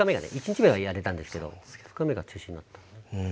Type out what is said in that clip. １日目はやれたんですけど２日目が中止になった。